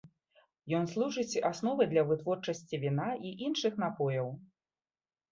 Ён служыць асновай для вытворчасці віна і іншых напояў.